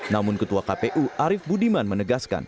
namun ketua kpu arief budiman menegaskan